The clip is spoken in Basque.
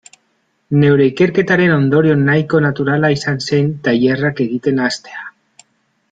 Neure ikerketaren ondorio nahiko naturala izan zen tailerrak egiten hastea.